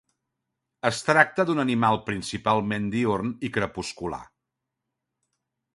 Es tracta d'un animal principalment diürn i crepuscular.